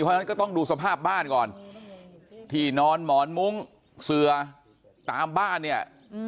เพราะฉะนั้นก็ต้องดูสภาพบ้านก่อนที่นอนหมอนมุ้งเสือตามบ้านเนี่ย